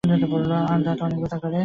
আর দাঁত অনেক ব্যথা করে।